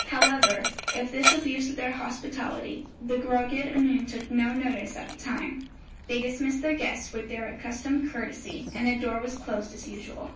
However, of this abuse of their hospitality the Gwragedd Annwn took no notice at the time. They dismissed their guests with their accustomed courtesy, and the door was closed as usual.